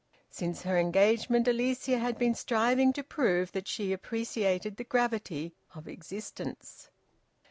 Since her engagement, Alicia had been striving to prove that she appreciated the gravity of existence.